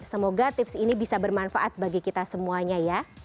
semoga tips ini bisa bermanfaat bagi kita semuanya ya